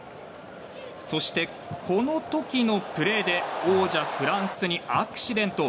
そして、この時のプレーで王者フランスにアクシデント。